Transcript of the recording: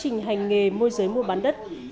phi đã có hành vi gian dối bằng hình thức thỏa thuận